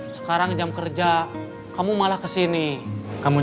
sebetulnya subuh udah bangun